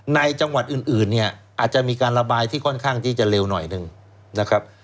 ในจังหวัดอื่นเนี่ยอาจจะมีการระบายที่ค่อนข้างที่จะเร็วหน่อยหนึ่งนะครับ